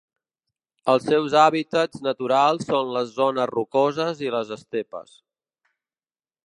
Els seus hàbitats naturals són les zones rocoses i les estepes.